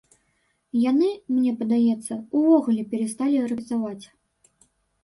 Яны, мне падаецца, увогуле перасталі рэпетаваць.